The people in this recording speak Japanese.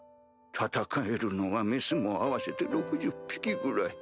戦えるのは雌も合わせて６０匹ぐらい。